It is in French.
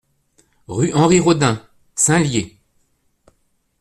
Rue Henri Rodin, Saint-Lyé